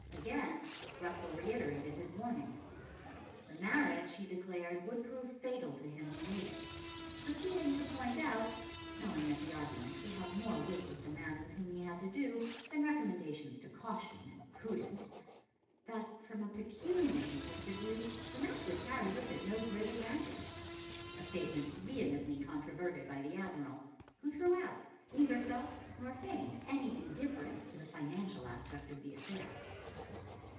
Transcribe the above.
Again Russell reiterated his warning. The marriage, he declared, would prove fatal to him who made it, proceeding to point out knowing that the argument would have more weight with the man with whom he had to do than recommendations to caution and prudence that from a pecuniary point of view the match would carry with it no great advantage, a statement vehemently controverted by the Admiral, who throughout neither felt nor feigned any indifference to the financial aspect of the affair.